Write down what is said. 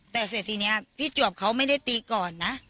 แต่เสร็จทีนี้พี่จวบเขาไม่ได้ตีก่อนนะ